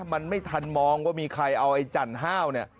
มันไม่ทันมองว่ามีใครเอาไอ้จันห้าวเนี่ย